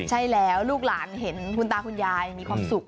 ใช่แล้วลูกหลานเห็นคุณตาคุณยายมีความสุข